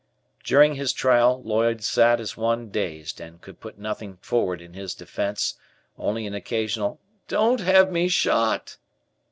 During his trial, Lloyd sat as one dazed, and could put nothing forward in his defence, only an occasional "Don't have me shot!"